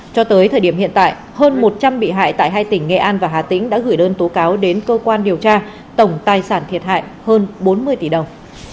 cho tới thời điểm hiện tại hơn một trăm linh bị hại tại hai tỉnh nghệ an và hà tĩnh đã gửi đơn tố cáo đến cơ quan điều tra tổng tài sản thiệt hại hơn bốn mươi tỷ đồng